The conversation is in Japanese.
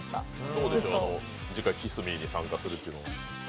どうでしょう、次回、ｋｉｓｓｍｅ！に参加するというのは？